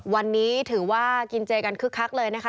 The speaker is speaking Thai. วันนี้ถือว่ากินเจกันคึกคักเลยนะคะ